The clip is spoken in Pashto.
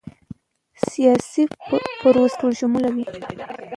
سیاسي پروسه ټولشموله وي